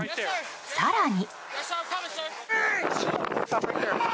更に。